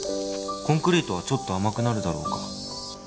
「コンクリートはちょっと甘くなるだろうか」